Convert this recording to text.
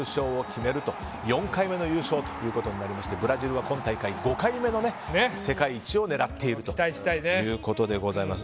これで４回目の優勝となりましてブラジルは今大会５回目の世界一を狙っているということでございます。